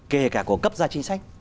kể cả của cấp gia chính sách